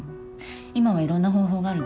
今はいろんな方法があるでしょ。